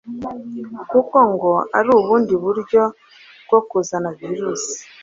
kuko ngo ari ubundi buryo bwo kuzana virusi